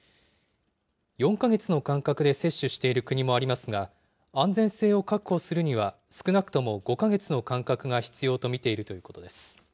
４か月の間隔で接種している国もありますが、安全性を確保するには、少なくとも５か月の間隔が必要と見ているということです。